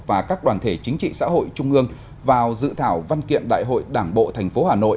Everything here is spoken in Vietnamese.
và các đoàn thể chính trị xã hội trung ương vào dự thảo văn kiện đại hội đảng bộ tp hà nội